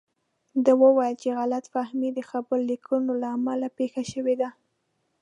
ده وویل چې غلط فهمي د خبر لیکونکو له امله پېښه شوې ده.